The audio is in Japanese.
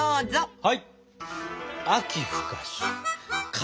はい！